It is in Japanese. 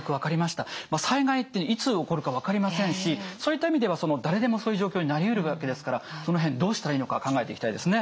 災害っていつ起こるか分かりませんしそういった意味では誰でもそういう状況になりうるわけですからその辺どうしたらいいのか考えていきたいですね。